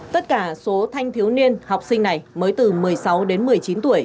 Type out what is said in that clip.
tất cả số thanh thiếu niên học sinh này mới từ một mươi sáu đến một mươi chín tuổi